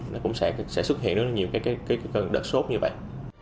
nó cũng sẽ xuất hiện được nhiều cái cơn đất sốt như vậy